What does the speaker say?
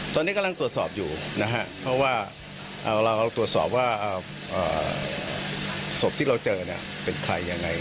ตอนนี้กำลังตรวจสอบอยู่นะครับเพราะว่าเราตรวจสอบว่าศพที่เราเจอเป็นใครยังไง